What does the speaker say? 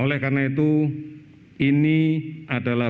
kami kerja karena agensia budaya